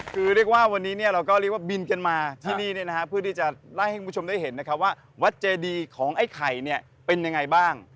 คือว่าวันนี้เราก็รีกว่าบินกันมาที่นี้นะคะเพื่อที่จะได้ให้มูชมได้เห็นว่าวัดเจดีของไอ้ไข่เป็นยังไงบ้าง